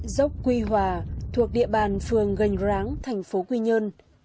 dốc quy hòa thuộc địa bàn phường gành ráng thành phố quy nhơn